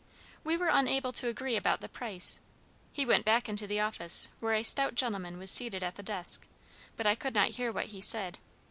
We were unable to agree about the price. He went back into the office, where a stout gentleman was seated at the desk, but I could not hear what he said.